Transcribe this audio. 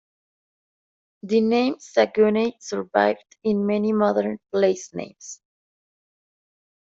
The name Saguenay survived in many modern placenames.